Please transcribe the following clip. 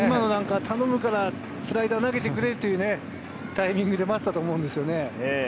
頼むから今スライダーを投げてくれというタイミングだったと思うんですけどね。